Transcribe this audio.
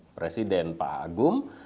presiden pak agung